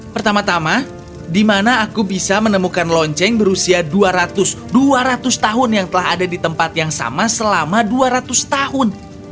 pertama tama di mana aku bisa menemukan lonceng berusia dua ratus dua ratus tahun yang telah ada di tempat yang sama selama dua ratus tahun